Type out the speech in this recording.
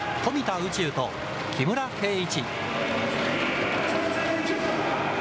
宇宙と木村敬一。